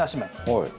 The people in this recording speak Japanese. はい。